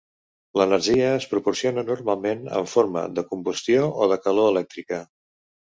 L'energia es proporciona normalment en forma de combustió o de calor elèctrica.